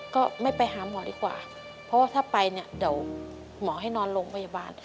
ก็ไม่ไปหาหมอดีกว่าเพราะว่าถ้าไปเนี่ยเดี๋ยวหมอให้นอนโรงพยาบาล